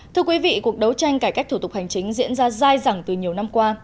thưa quý vị cuộc đấu tranh cải cách thủ tục hành chính diễn ra dài dẳng từ nhiều năm qua